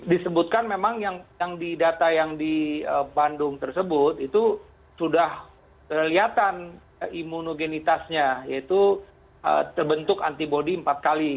disebutkan memang yang di data yang di bandung tersebut itu sudah kelihatan imunogenitasnya yaitu terbentuk antibody empat kali